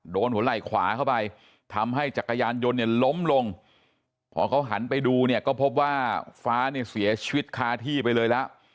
โดนหัวไหล่ขวาเข้าไปทำให้จักรยานยนต์เนี่ยล้มลงพอเขาหันไปดูเนี่ยก็พบว่าฟ้าเนี่ยเสียชีวิตคาที่ไปเลยแล้ว